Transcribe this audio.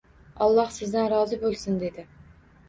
Alloh sizdan rozi bo'lsin, — dedi.